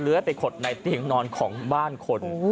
เหลือแต่ขดในติ๋งนอนของบ้านคน